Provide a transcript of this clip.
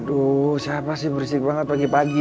aduh siapa sih berisik banget pagi pagi